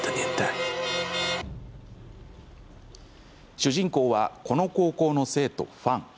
主人公はこの高校の生徒・ファン。